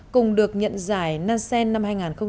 cùng được nhận giải nansen năm hai nghìn một mươi chín